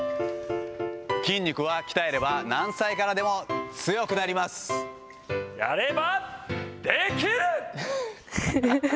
筋肉は鍛えれば何歳からでも強くやればできる！